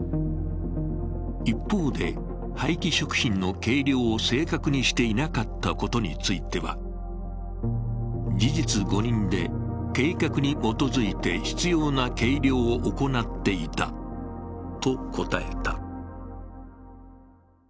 一方で、廃棄食品の計量を正確にしていなかったことについては、事実誤認で計画に基づいて必要な計量を行っていたと答えた。